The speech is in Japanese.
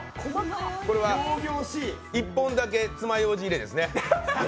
これは１本だけつまようじ入れですね。